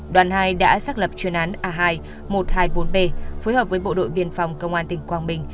đoàn hai đã xác lập chuyên án a hai một trăm hai mươi bốn p phối hợp với bộ đội biên phòng công an tỉnh quang bình